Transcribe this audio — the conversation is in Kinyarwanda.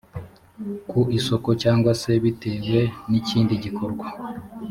ku isoko cyangwa s bitewe n ikindi gikorwa